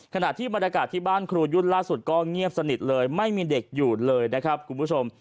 ขณะที่บรรยากาศที่บ้านครูยุ่นล่าสุดก็เงียบสนิทเลยไม่มีเด็กอยู่เลยนะครับคุณผู้ชม